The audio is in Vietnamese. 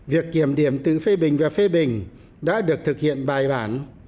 việc kiểm điểm tự phê bình và phê bình đã được thực hiện bài bản